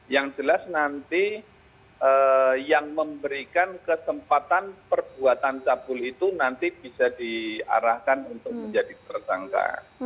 yang jelas nanti yang memberikan kesempatan perbuatan cabul itu nanti bisa diarahkan untuk menjadi tersangka